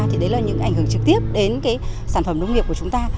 thì đấy là những ảnh hưởng trực tiếp đến cái sản phẩm nông nghiệp của chúng ta